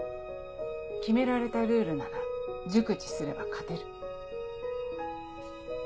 決められたルールなら熟知すれば勝てる。